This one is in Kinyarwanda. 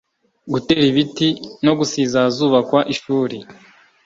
gutera ibiti no gusiza ahazubakwa ishuri